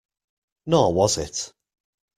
Nor was it.